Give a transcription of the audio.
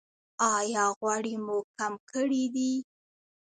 ایا غوړي مو کم کړي دي؟